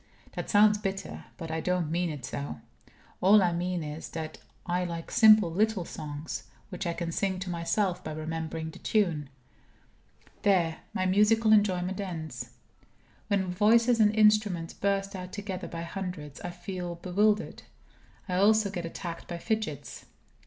That sounds bitter; but I don't mean it so. All I mean is, that I like simple little songs, which I can sing to myself by remembering the tune. There, my musical enjoyment ends. When voices and instruments burst out together by hundreds, I feel bewildered. I also get attacked by fidgets.